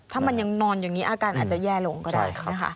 ถ้ามันยังนอนอย่างนี้อาการเยี่ยวลงก็ได้